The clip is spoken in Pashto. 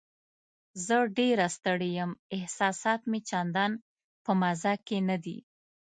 زه ډېره ستړې یم، احساسات مې چندان په مزه کې نه دي.